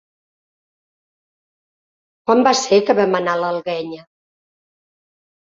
Quan va ser que vam anar a l'Alguenya?